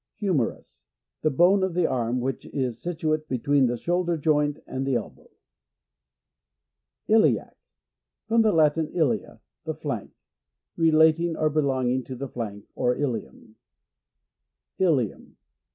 < Humerus. — The bone, of the arm, { which is situate between the shoul 5 der joint and the elbow. ; Iliac. — From the Latin, ilia, the \ flank. Relating or belonging to > the flank or ilium. 1 Ilium.